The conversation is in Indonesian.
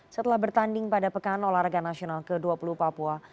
setelah bertanding pada pekan olahraga nasional ke dua puluh papua